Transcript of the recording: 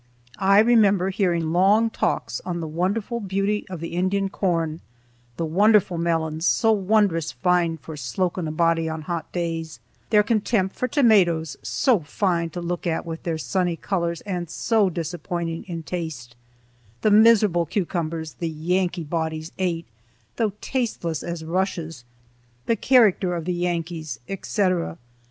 I remember hearing long talks on the wonderful beauty of the Indian corn; the wonderful melons, so wondrous fine for "sloken a body on hot days"; their contempt for tomatoes, so fine to look at with their sunny colors and so disappointing in taste; the miserable cucumbers the "Yankee bodies" ate, though tasteless as rushes; the character of the Yankees, etcetera.